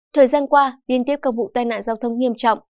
thời gian qua liên tiếp các vụ tai nạn giao thông nghiêm trọng